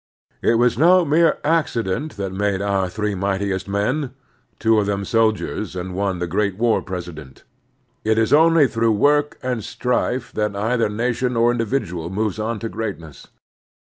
It was no mere accident that made our three mightiest men, two of them soldiers, and one the great war President. It is only through work and strife that either nation or individual moves on to greatness.